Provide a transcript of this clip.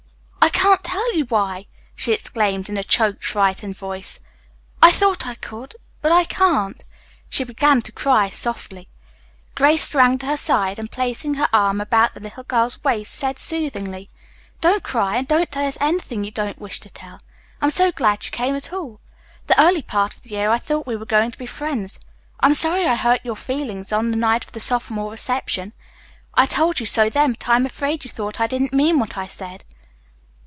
"I can't tell you why!" she exclaimed in a choked, frightened voice. "I thought I could, but I can't." She began to cry softly. Grace sprang to her side, and, placing her arm about the little girl's waist, said soothingly, "Don't cry, and don't tell us anything you don't wish to tell. I am so glad you came at all. The early part of the year I thought we were going to be friends. I am sorry I hurt your feelings on the night of the sophomore reception. I told you so then, but I am afraid you thought I didn't mean what I said."